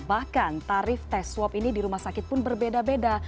bahkan tarif tes swab ini di rumah sakit pun berbeda beda